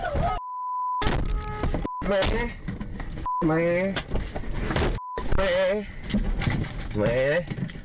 ช่วยความเหงียง